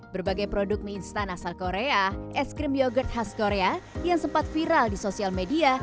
berbagai produk mie instan asal korea es krim yogurt khas korea yang sempat viral di sosial media